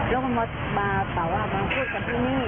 แล้วก็มาบอกว่ามาพูดกับพวกนี้